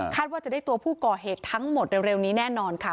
ว่าจะได้ตัวผู้ก่อเหตุทั้งหมดเร็วนี้แน่นอนค่ะ